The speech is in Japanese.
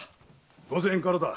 御前からだ。